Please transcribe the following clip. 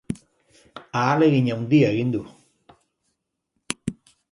Ahalegin handia egin du.